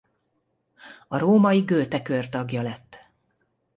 A római Goethe-kör tagja lett.